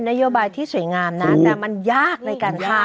นโยบายที่สวยงามนะแต่มันยากในการทำ